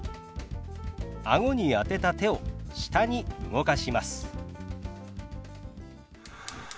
あごに当てた手を下に動かします。